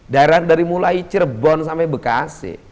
daerah dari mulai cirebon sampai bekasi